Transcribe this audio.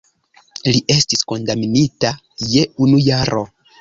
Li estis kondamnita je unu jaro.